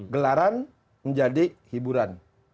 gelaran menjadi hiburan